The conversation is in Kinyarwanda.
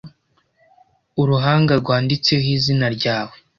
uruhanga rwanditseho izina ryawe